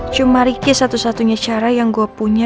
cuma ricky satu satunya cara yang gue punya